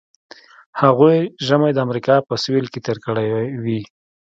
هغوی ژمی د امریکا په سویل کې تیر کړی وي